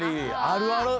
あるある！